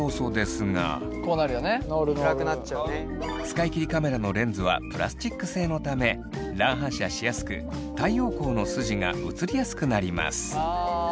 使い切りカメラのレンズはプラスチック製のため乱反射しやすく太陽光の筋が写りやすくなります。